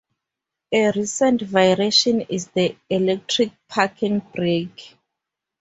A recent variation is the electric parking brake.